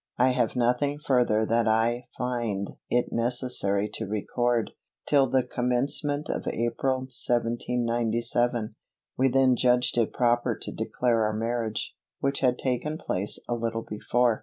I have nothing further that I find it necessary to record, till the commencement of April 1797. We then judged it proper to declare our marriage, which had taken place a little before.